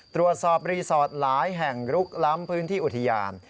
ตรวจสอบรีสอร์ทหลายแห่งลุกล้ำพื้นที่อุทยาน